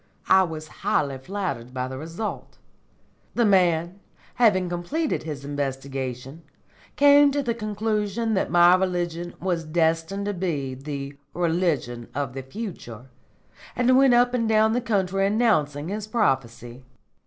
I was highly flattered by the result. The man, having completed his investigation, came to the conclusion that my religion was destined to be the religion of the future, and went up and down the country announcing his prophecy.